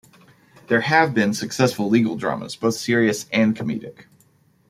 There have been successful legal dramas both serious and comedic.